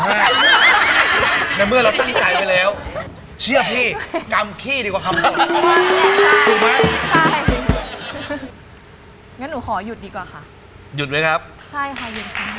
แต่เมื่อเราตั้งไว้กายไว้แล้ว